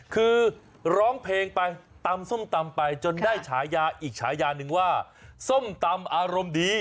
คือร้องเพลงไปตำส้มตำไปจนได้ฉายาอีกฉายานึงว่าส้มตำอารมณ์ดี